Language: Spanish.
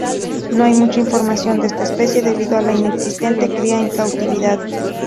No hay mucha información de esta especie, debido a la inexistente cría en cautividad.